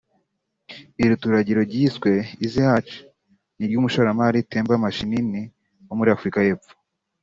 Iri turagiro ryiswe “Easy hatch” ni iry’umushoramari Temba Mashinini wo muri Afurika y’Epfo